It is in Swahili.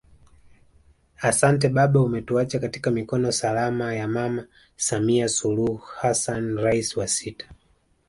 Asante baba umetuacha katika mikono salama ya Mama Samia Suluhu Hassan Rais wa sita